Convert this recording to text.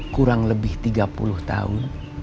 kurang lebih tiga puluh tahun